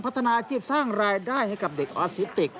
พัฒนาอาชีพสร้างรายได้ให้กับเด็กออทิติก